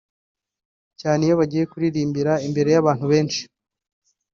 cyane iyo bagiye kuririmbira imbere y’abantu benshi